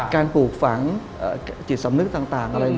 ปลูกฝังจิตสำนึกต่างอะไร